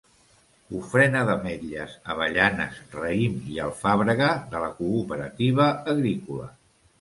Ofrena d'ametlles, avellanes, raïm i alfàbrega de la Cooperativa Agrícola.